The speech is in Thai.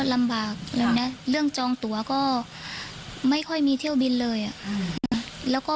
ลำบากแบบนี้เรื่องจองตัวก็ไม่ค่อยมีเที่ยวบินเลยอ่ะแล้วก็